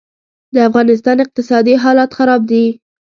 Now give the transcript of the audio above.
دافغانستان اقتصادي حالات خراب دي